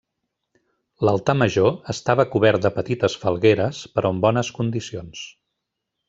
L'altar major estava cobert de petites falgueres, però en bones condicions.